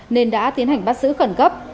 nên đã tiến hành bắt giữ khẩn cấp